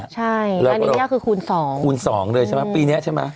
ใช่ลานี่ย่ะคือคูณ๒คูณ๒เลยใช่ปะปีนี้ใช่ไหม